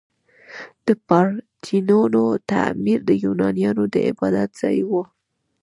د پارتینون تعمیر د یونانیانو د عبادت ځای و.